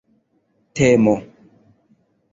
temo